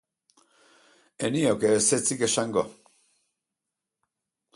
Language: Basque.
Ez nioke ezetzik esango.